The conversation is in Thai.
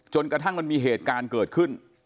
กระทั่งมันมีเหตุการณ์เกิดขึ้น